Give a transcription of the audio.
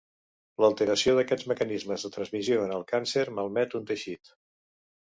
L'alteració d'aquests mecanismes de transmissió en el càncer malmet un teixit.